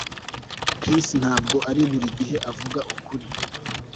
Chris ntabwo buri gihe avuga ukuri